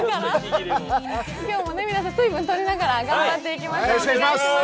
今日も皆さん水分取りながら頑張っていきましょう。